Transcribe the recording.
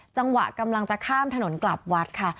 จังหวะกำลังจะข้ามถนนกลับวัดค่ะ